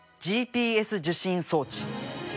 ＧＰＳ受信装置。